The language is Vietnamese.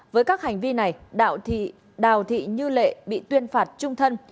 với các hành vi này đào thị như lệ bị tuyên phạt trung thân